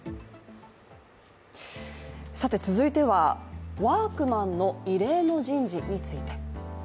続いては、ワークマンの異例の人事について。